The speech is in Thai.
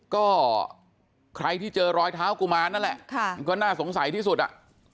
ก็ใครที่เจอรอยเท้ากุมารนั่นแหละค่ะมันก็น่าสงสัยที่สุดอ่ะ